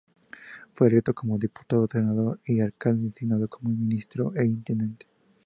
Fue electo como diputado, senador y alcalde, y designado como ministro e intendente.